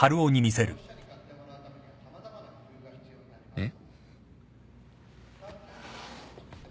えっ？